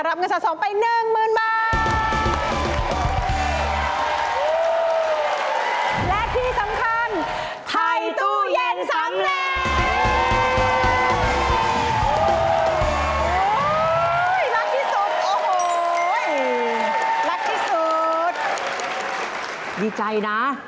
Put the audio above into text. รับเงินชาติ๒ไป๑๐๐๐๐บาท